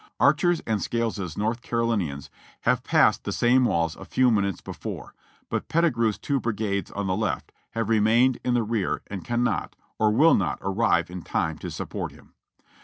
Archer's and Scales's North Carolinians have passed the same walls a few minutes before ; but Pettigrew's two brigades on the left have remained in the rear and cannot, or will not, arrive in time to support him.